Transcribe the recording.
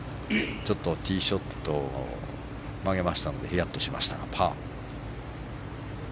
ちょっとティーショットを曲げましたのでヒヤッとしましたがパー。